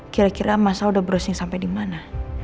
kira kira masa udah browsing sampai dimana